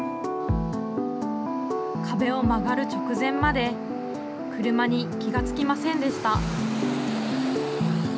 壁を曲がる直前まで車に気が付きませんでした。